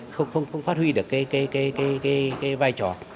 không phát huy được cái vai trò